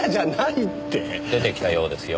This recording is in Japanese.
出てきたようですよ。